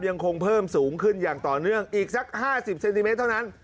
ยังคงเพิ่มสูงขึ้นอย่างต่อเนื่องอีกสัก๕๐เซนติเมตรเท่านั้น